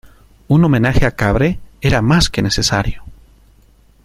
Un homenaje a Cabré era más que necesario.